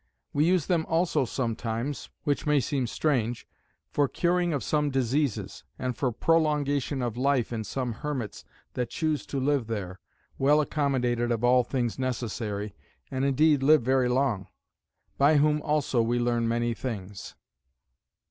We use them also sometimes, (which may seem strange,) for curing of some diseases, and for prolongation of life in some hermits that choose to live there, well accommodated of all things necessary, and indeed live very long; by whom also we learn many things.